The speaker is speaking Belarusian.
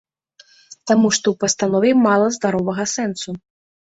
Таму што ў пастанове мала здаровага сэнсу.